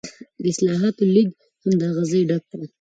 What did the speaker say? د اصلاحاتو لیګ هم د هغه ځای ډک کړ.